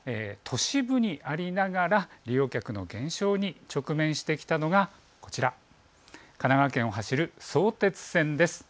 都市部にありながら利用客の減少に直面してきたのがこちら、神奈川県を走る相鉄線です。